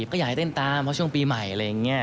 ก็อยากให้เต้นตามเพราะช่วงปีใหม่อะไรอย่างนี้